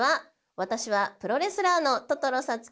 私はプロレスラーのトトロさつきです。